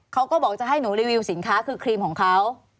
เขาก็บอกจะให้หนูรีวิวสินค้าคือครีมของเขา